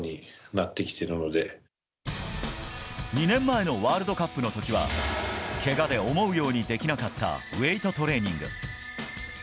２年前のワールドカップの時はけがで思うようにできなかったウエイトトレーニング。